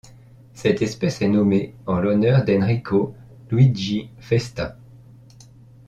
Cette espèce est nommée en l'honneur d'Enrico Luigi Festa.